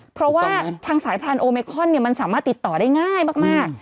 เพราะว่าทางสายพรานโอเมคอนมันสามารถติดต่อได้ง่ายมาก